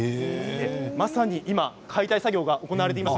まさに今解体作業が行われています。